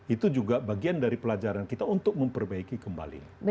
itu juga bagian dari pelajaran kita untuk memperbaiki kembali